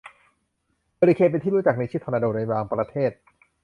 เฮอริเคน เป็นที่รู้จักในชื่อ ทอร์นาโด ในบางประเทศ